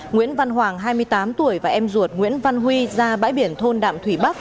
nguyễn văn hoàng hai mươi tám tuổi và em ruột nguyễn văn huy ra bãi biển thôn đạm thủy bắc